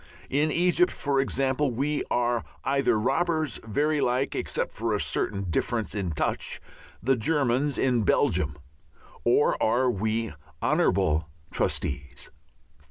In Egypt, for example, we are either robbers very like except for a certain difference in touch the Germans in Belgium, or we are honourable trustees.